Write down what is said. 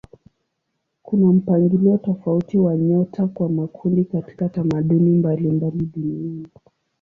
Kuna mpangilio tofauti wa nyota kwa makundi katika tamaduni mbalimbali duniani.